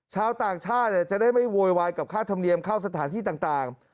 ชาวต่างชาติจะได้ไม่โวยวายกับค่าธรรมเนียมเข้าสถานที่ต่าง